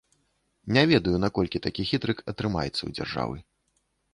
Не ведаю, наколькі такі хітрык атрымаецца ў дзяржавы.